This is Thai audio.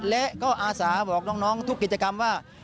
และก็อาสาบอกน้องทุกกิจกรรมว่า